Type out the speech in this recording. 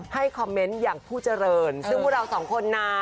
คอมเมนต์อย่างผู้เจริญซึ่งพวกเราสองคนนะ